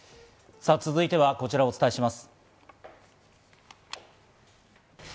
さあ、続いてはこちらをお伝えします。